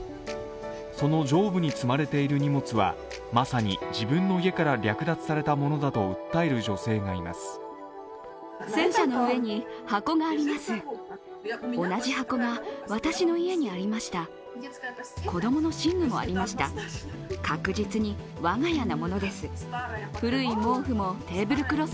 その上部に積まれている荷物はまさに自分の家から略奪されたものだと訴える女性がいます。